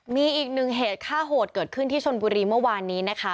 มีอีกหนึ่งเหตุฆ่าโหดเกิดขึ้นที่ชนบุรีเมื่อวานนี้นะคะ